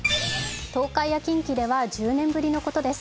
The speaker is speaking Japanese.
東海や近畿では１０年ぶりのことです。